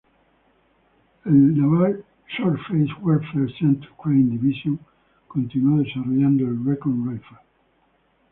El Naval Surface Warfare Center Crane Division continuó desarrollando el Recon Rifle.